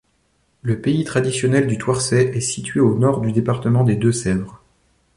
Le pays traditionnel du Thouarsais est situé au nord du département des Deux-Sèvres.